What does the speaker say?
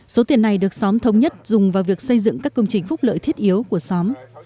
số tiền này được xóm thống nhất dùng vào việc xây dựng các công trình phúc lợi thiết yếu của xóm